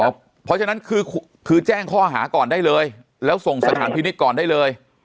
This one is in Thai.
เพราะฉะนั้นคือแจ้งข้อหาก่อนได้เลยแล้วส่งสถานพินิษฐ์ก่อนได้เลย